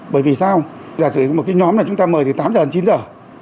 bởi vì sao giả sử dụng một cái nhóm này chúng ta mời từ tám giờ đến chín giờ